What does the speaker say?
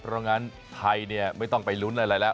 เพราะงั้นไทยเนี่ยไม่ต้องไปลุ้นอะไรแล้ว